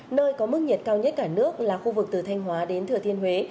nơi có mức nhiệt cao nhất cả nước là khu vực từ thanh hóa đến thừa thiên huế